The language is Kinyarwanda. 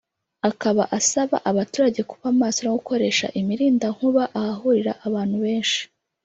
akaba asaba abaturage kuba maso no gukoresha imirindankuba ahahurira abantu benshi